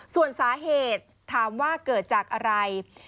ส่วนสาเหตุถามว่าเกิดจากอะไร